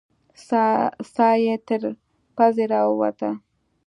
ساه يې تر پزې راووته.